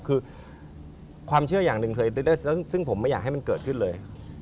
คือความเชื่ออย่างหนึ่งเคยได้ซึ่งผมไม่อยากให้มันเกิดขึ้นเลย